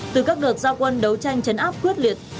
từ các đợt giao quân đấu tranh chấn áp quyết liệt